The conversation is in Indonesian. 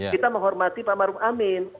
kita menghormati pak maruf amin